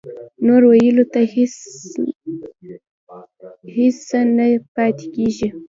نور ویلو ته هېڅ څه نه پاتې کېږي